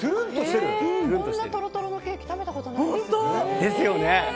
こんなトロトロのケーキ食べたことないです。